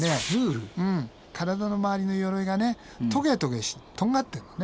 体の周りの鎧がねトゲトゲしてとんがってんのね。